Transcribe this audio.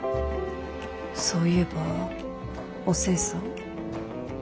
そういえばお勢さん。